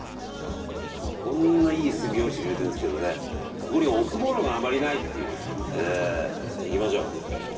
こんないい炭も用意してくれてるんですけどここに置くものがあまりないという。